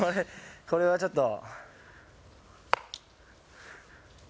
これはちょっと。